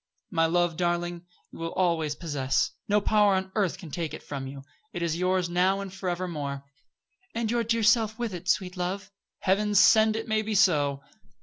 "My love, darling, you will always possess. No power on earth can take it from you. It is yours now and forevermore." "And your dear self with it, sweet love." "Heaven send it may be so."